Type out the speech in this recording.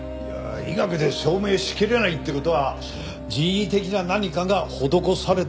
医学で証明しきれないって事は人為的な何かが施されてると考えるべきだ。